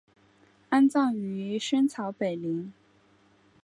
安葬于深草北陵。